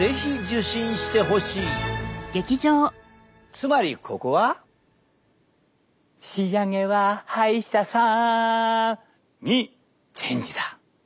つまりここはしあげは歯医者さんにチェンジだ！